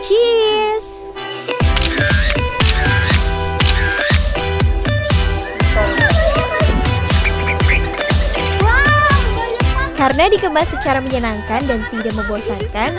jadi agak secara ajalah secara menyenangkan dan tidak membosankan